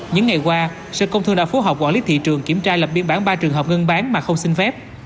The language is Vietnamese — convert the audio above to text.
những ngày qua sở công thương đã phối hợp quản lý thị trường kiểm tra lập biên bản ba trường hợp ngưng bán mà không xin phép